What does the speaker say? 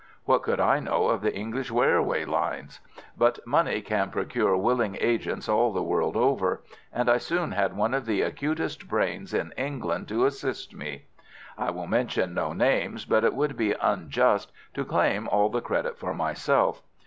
What could I know of the English railway lines? But money can procure willing agents all the world over, and I soon had one of the acutest brains in England to assist me. I will mention no names, but it would be unjust to claim all the credit for myself.